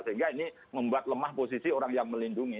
sehingga ini membuat lemah posisi orang yang melindungi